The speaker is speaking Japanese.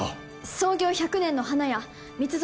創業１００年の花屋蜜園